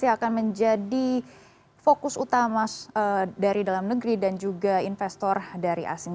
akan menjadi fokus utama dari dalam negeri dan juga investor dari asing